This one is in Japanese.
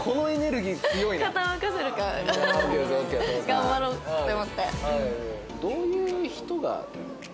頑張ろうって思って。